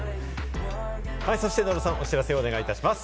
そして野呂さん、お知らせお願いします。